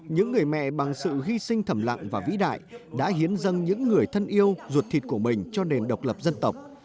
những người mẹ bằng sự hy sinh thầm lặng và vĩ đại đã hiến dân những người thân yêu ruột thịt của mình cho nền độc lập dân tộc